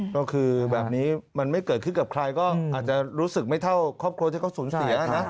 ก็คือแบบนี้มันไม่เกิดขึ้นกับใครก็อาจจะรู้สึกไม่เท่าครอบครัวที่เขาสูญเสียนะ